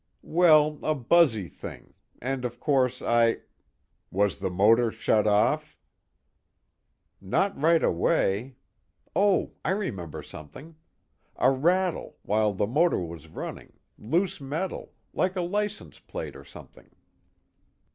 "Well, a buzzy thing, and of course I " "Was the motor shut off?" "Not right away oh, I remember something. A rattle, while the motor was running, loose metal, like a license plate or something."